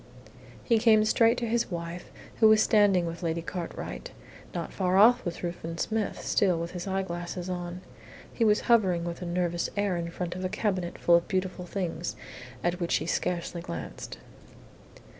He came straight to his wife, who was standing with Lady Cartwright. Not far off was Ruthven Smith, still with his eyeglasses on. He was hovering with a nervous air in front of a cabinet full of beautiful things, at which he scarcely glanced.